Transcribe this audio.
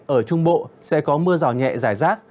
ở trung bộ sẽ có mưa rào nhẹ giải rác